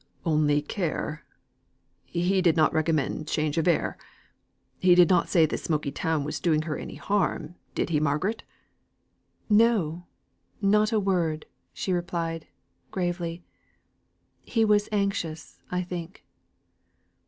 "Only care? he did not recommend change of air? he did not say this smoky town was doing her any harm, did he, Margaret?" "No! not a word," she replied, gravely. "He was anxious, I think."